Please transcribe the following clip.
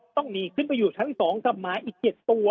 ต้องหนีขึ้นไปอยู่ชั้น๒กับหมาอีก๗ตัว